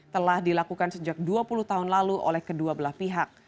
telah dilakukan sejak dua puluh tahun lalu oleh kedua belah pihak